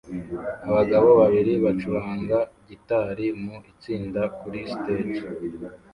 Abagabo babiri bacuranga gitari mu itsinda kuri stage